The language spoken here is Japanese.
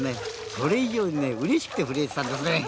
それ以上にうれしくて震えてたんですね。